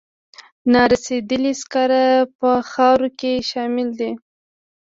نارسیدلي سکاره په خاورو کې شاملې دي.